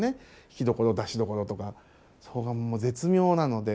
引きどころ出しどころとかそこが絶妙なので。